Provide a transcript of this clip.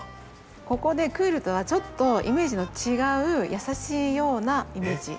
ここでクールとはちょっとイメージの違う優しいようなイメージの。